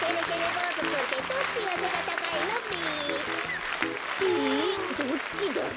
ぼうずくんってどっちがせがたかいのべ？えっどっちだろ？